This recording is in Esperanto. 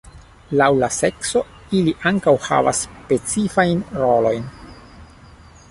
Laŭ la sekso, ili ankaŭ havas specifajn rolojn.